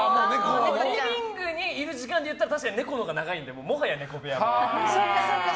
リビングにいる時間でいったら猫のほうが長いのでもはや猫部屋。